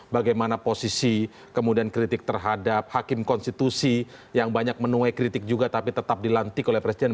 bagaimana posisi kemudian kritik terhadap hakim konstitusi yang banyak menuai kritik juga tapi tetap dilantik oleh presiden